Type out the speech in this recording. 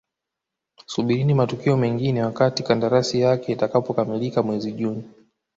Subirini matukio mengine wakati kandarasi yake itakapokamilika mwezi Juni